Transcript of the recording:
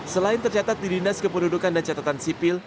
selain tercatat di dinas kependudukan dan catatan sipil